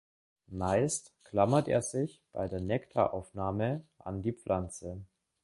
Meist klammert er sich bei der Nektaraufnahme an die Pflanze.